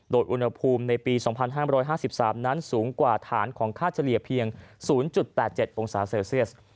โดยอุณหภูมิในปี๒๕๕๓นั้นสูงกว่าฐานของค่าเฉลี่ยเพียง๐๘๗องศาเซลเซียส